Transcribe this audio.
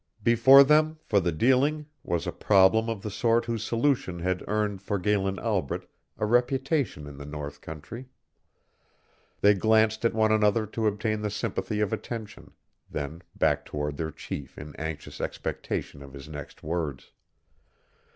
Before them, for the dealing, was a problem of the sort whose solution had earned for Galen Albret a reputation in the north country. They glanced at one another to obtain the sympathy of attention, then back toward their chief in anxious expectation of his next words.